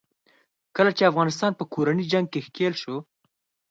کله چې افغانستان په کورني جنګ کې ښکېل شو.